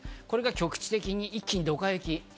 これが局地的に一気にドカ雪。